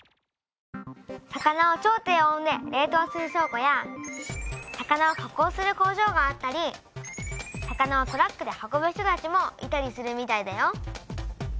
「魚を超低温で冷とうする倉庫」や「魚を加工する工場」があったり「魚をトラックで運ぶ人たち」もいたりするみたいだよ。